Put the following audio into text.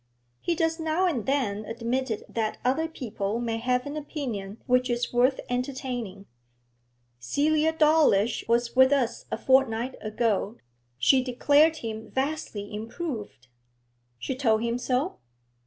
He does now and then admit that other people may have an opinion which is worth entertaining. Celia Dawlish was with us a fortnight ago; she declared him vastly improved.' 'She told him so?'